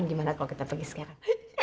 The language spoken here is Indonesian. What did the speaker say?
gimana kalau kita pergi sekarang